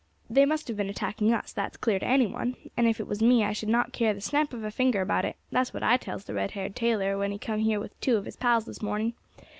They must have been attacking us, that's clear to any one; and if it was me I should not care the snap of a finger about it that's what I tells the red haired tailor when he came here with two of his pals this morning.